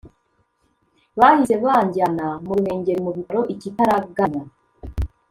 Bahise banjyana mu Ruhengeri mu bitaro ikitaraganya